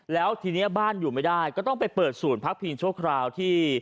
แล้วทีนี้บ้านอยู่ไม่ได้ก็ต้องไปเปิดศูนย์พักพิงชั่วคราวที่